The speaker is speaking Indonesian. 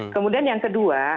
kemudian yang kedua